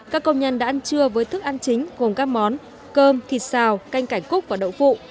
các công nhân đã ăn trưa với thức ăn chính gồm các món cơm thịt xào canh cải cúc và đậu phụ